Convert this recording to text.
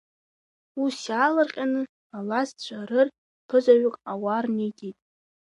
Ус иаалырҟьаны алазцәа рыр рԥызаҩк ауаа рниҵеит.